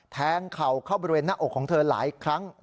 เข่าเข้าบริเวณหน้าอกของเธอหลายครั้ง